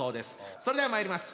それではまいります。